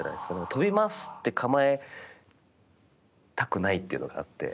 跳びます！って構えたくないというのがあって。